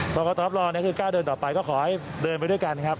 กรกตรอคือกล้าเดินต่อไปก็ขอให้เดินไปด้วยกันครับ